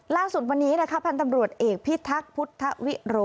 ล่าสุดวันนี้นะคะพันธ์ตำรวจเอกพิทักษ์พุทธวิโร